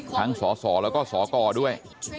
สสแล้วก็สกด้วย